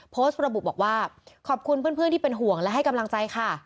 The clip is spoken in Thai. โพสต์ระบุบอกว่าขอบคุณเพื่อนที่เป็นห่วงและให้กำลังใจค่ะ